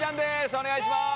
お願いします。